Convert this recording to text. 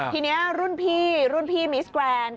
ทีนี้รุ่นพี่รุ่นพี่มิสแกรนด์